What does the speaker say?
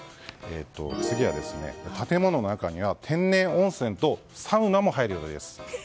次は、建物の中には天然温泉とサウナも入る予定です。